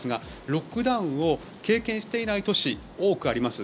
ロックダウンを経験していない都市多くあります。